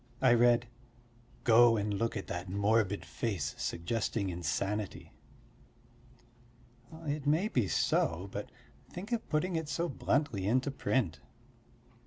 I read: "Go and look at that morbid face suggesting insanity." It may be so, but think of putting it so bluntly into print.